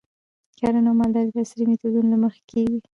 کرنه او مالداري د عصري میتودونو له مخې کیږي.